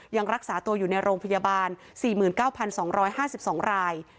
ยังรักษาตัวอยู่ในโรงพยาบาล๔๙๒๕๒ราย